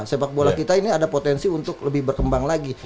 sepak bola kita ini ada potensi untuk lebih berkembang lagi